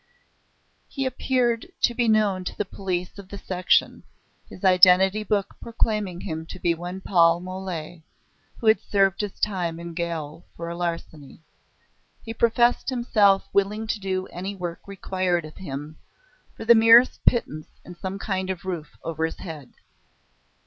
He appeared to be known to the police of the section, his identity book proclaiming him to be one Paul Mole, who had served his time in gaol for larceny. He professed himself willing to do any work required of him, for the merest pittance and some kind of roof over his head.